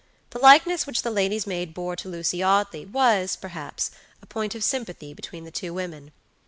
The likeness which the lady's maid bore to Lucy Audley was, perhaps, a point of sympathy between the two women.